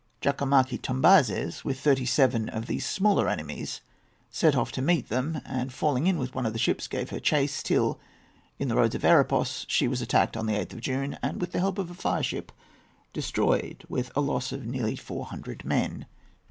Jakomaki Tombazes, with thirty seven of these smaller enemies, set off to meet them, and falling in with one of the ships, gave her chase, till, in the roads of Eripos, she was attacked on the 8th of June, and, with the help of a fireship, destroyed with a loss of nearly four hundred men.